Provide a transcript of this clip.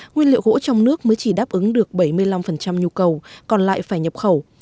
nguyên liệu gỗ trong nước mới chỉ đáp ứng được bảy mươi năm nhu cầu còn lại phải nhập khẩu